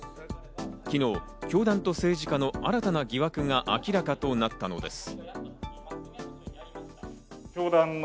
昨日、教団と政治家の新たな疑惑が明らかとなったのです。